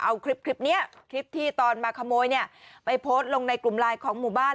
เอาคลิปนี้คลิปที่ตอนมาขโมยเนี่ยไปโพสต์ลงในกลุ่มไลน์ของหมู่บ้าน